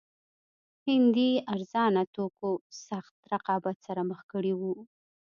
هندي ارزانه توکو سخت رقابت سره مخ کړي وو.